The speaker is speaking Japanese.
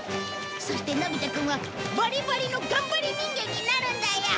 そしてのび太くんはバリバリの頑張り人間になるんだよ！